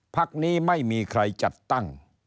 พักนี้ไม่มีใครจัดตั้ง